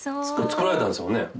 作られたんですもんね。